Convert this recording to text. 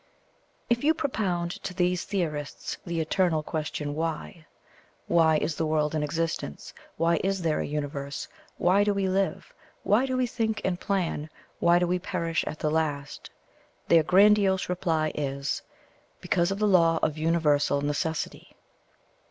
If you propound to these theorists the eternal question WHY? why is the world in existence? why is there a universe? why do we live? why do we think and plan? why do we perish at the last? their grandiose reply is, "Because of the Law of Universal Necessity."